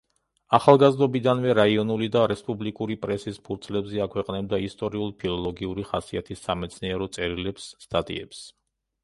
ახალგაზრდობიდანვე რაიონული და რესპუბლიკური პრესის ფურცლებზე აქვეყნებდა ისტორიულ-ფილოლოგიურ ხასიათის სამეცნიერო წერილებს, სტატიებს.